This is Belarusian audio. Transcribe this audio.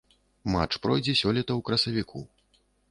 Матч пройдзе сёлета ў красавіку.